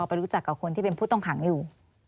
ไปรู้จักกับคนที่เป็นผู้ต้องขังอยู่